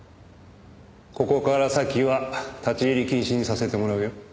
ここから先は立ち入り禁止にさせてもらうよ。